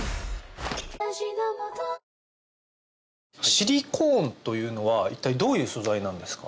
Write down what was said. シリコーンというのは一体どういう素材なんですか？